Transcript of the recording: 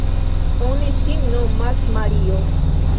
oni ŝin nomas Mario.